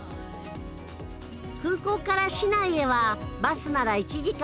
空港から市内へはバスなら１時間。